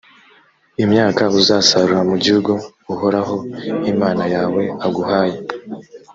imyaka uzasarura mu gihugu uhoraho imana yawe aguhaye.